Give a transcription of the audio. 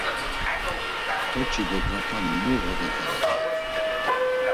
Toç̌i do drap̌ani mu oğodateren, ya.